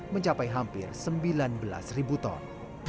mencapai hampir sembilan belas ribu ton